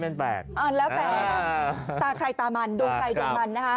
อ่าแล้วแปลกครับตาใครตามันดวนใครดวนมันนะคะ